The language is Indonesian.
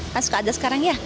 kan suka ada sekarang ya